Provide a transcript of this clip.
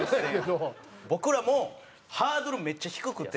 僕らもハードルめっちゃ低くて。